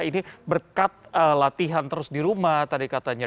ini berkat latihan terus di rumah tadi katanya